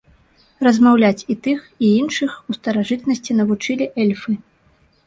Размаўляць і тых і іншых у старажытнасці навучылі эльфы.